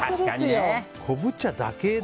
昆布茶だけで。